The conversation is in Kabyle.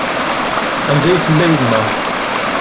Anda i tella yemma?